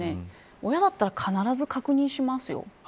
親なら必ず確認しますよ。